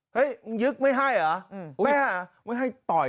เฮ้ยยึกไม่ให้เหรอไม่ให้ไม่ให้ต่อยซะ